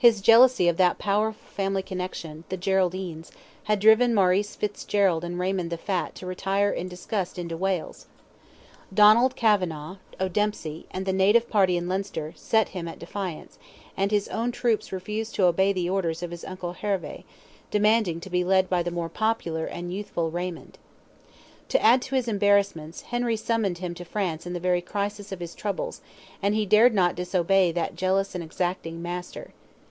His jealousy of that powerful family connexion, the Geraldines, had driven Maurice Fitzgerald and Raymond the Fat to retire in disgust into Wales. Donald Kavanagh, O'Dempsey, and the native party in Leinster, set him at defiance, and his own troops refused to obey the orders of his uncle Herve, demanding to be led by the more popular and youthful Raymond. To add to his embarrassments, Henry summoned him to France in the very crisis of his troubles, and he dared not disobey that jealous and exacting master.